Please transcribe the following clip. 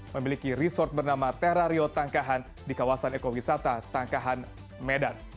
memiliki resort bernama terrario tangkahan di kawasan ekowisata tangkahan medan